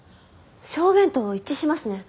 証言と一致しますね。